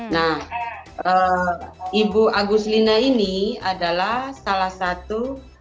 nah ibu agus lina ini adalah salah satu